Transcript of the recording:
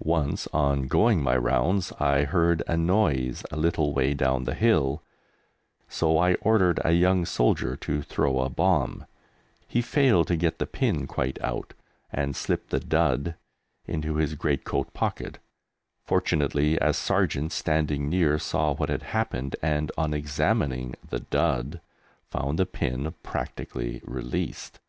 Once, on going my rounds, I heard a noise a little way down the hill, so I ordered a young soldier to throw a bomb; he failed to get the pin quite out and slipped the "dud" into his great coat pocket; fortunately, a sergeant standing near saw what had happened and, on examining the "dud," found the pin practically released!